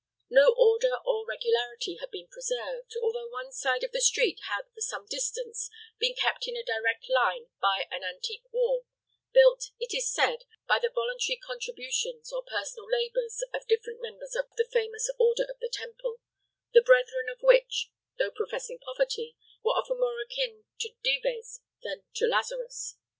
No order or regularity had been preserved, although one side of the street had for some distance been kept in a direct line by an antique wall, built, it is said, by the voluntary contributions or personal labors of different members of the famous Order of the Temple, the brethren of which, though professing poverty, were often more akin to Dives than to Lazarus.